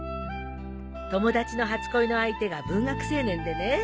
友達の初恋の相手が文学青年でね。